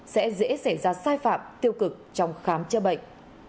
sẽ dễ xảy ra sai phạm tiêu cực trong khám chữa bệnh